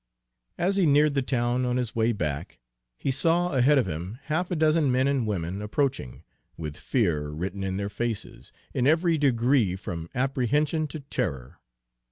As he neared the town on his way back, he saw ahead of him half a dozen men and women approaching, with fear written in their faces, in every degree from apprehension to terror.